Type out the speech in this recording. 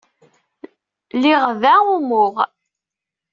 Liɣ da umuɣ.